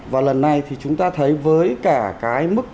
và lần này thì chúng ta thấy với cả cái mức